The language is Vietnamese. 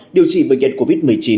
điều trị bệnh nhân covid một mươi chín